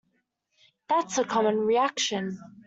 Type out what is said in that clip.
That's a common reaction.